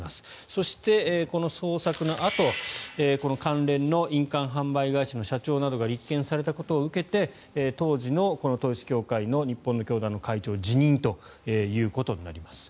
そしてこの捜索のあとこの関連の印鑑販売会社の社長などが立件されたことを受けて当時の統一教会の日本の教団の会長辞任ということになります。